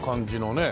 ねえ。